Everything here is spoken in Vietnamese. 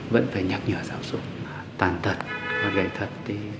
vẫn phải nhắc nhở giáo dục toàn thật và gây thật